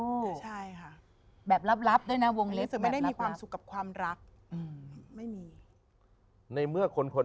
ลับด้วยนะวงเล็กไม่ได้มีความสุขกับความรักในเมื่อคนคน